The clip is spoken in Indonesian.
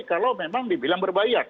kalau memang dibilang berbayat